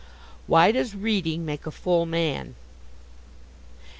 Why does reading make a full man?